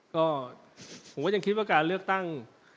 ก็ผมก็ยังคิดว่าการเลือกตั้ง